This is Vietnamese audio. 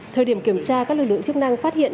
thời điểm kiểm tra các lực lượng chức năng phát hiện